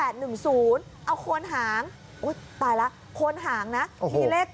เอาคนหางโอ๊ยตายแล้วคนหางนะมีเลข๙๒๖